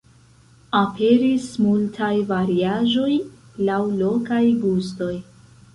Aperis multaj variaĵoj laŭ lokaj gustoj.